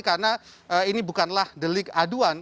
karena ini bukanlah delik aduan